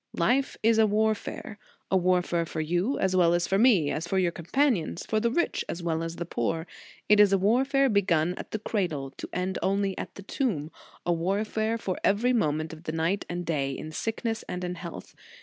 Life is a warfare; a warfare for you as well as for me, as for your companions, for the rich as well as the poor. It is a warfare begun at the cradle, to end only at the tomb; a war fare for every moment of the night and day, in sickness and in health.